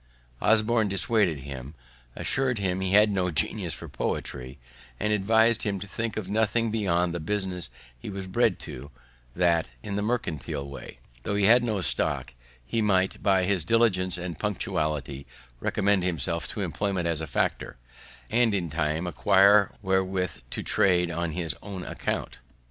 Osborne dissuaded him, assur'd him he had no genius for poetry, and advis'd him to think of nothing beyond the business he was bred to; that, in the mercantile way, tho' he had no stock, he might, by his diligence and punctuality, recommend himself to employment as a factor, and in time acquire wherewith to trade on his own account.